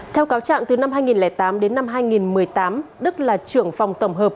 theo cáo trạng từ năm hai nghìn tám đến năm hai nghìn một mươi tám đức là trưởng phòng tổng hợp